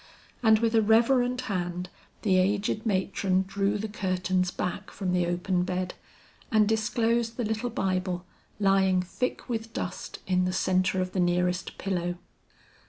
And with a reverent hand the aged matron drew the curtains back from the open bed, and disclosed the little bible lying thick with dust in the centre of the nearest pillow.